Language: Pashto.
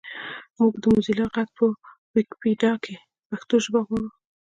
مونږ د موزیلا غږ په ویکیپېډیا کې پښتو ژبه غواړو